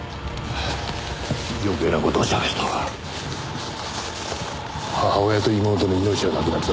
余計な事を喋ると母親と妹の命がなくなるぞ。